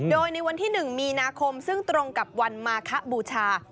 โดยในวันที่๑มีนาคมซึ่งตรงกับวันมาคบูชา